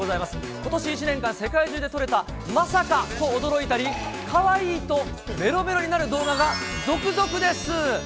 ことし一年間、世界中で撮れたまさかと驚いたり、かわいいとめろめろになる動画が続々です。